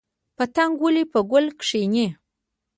پتنګ ولې په ګل کیني؟